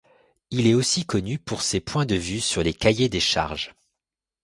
Il est aussi connu pour ses points de vue sur les cahiers des charges.